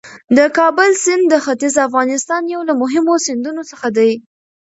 د کابل سیند د ختیځ افغانستان یو له مهمو سیندونو څخه دی.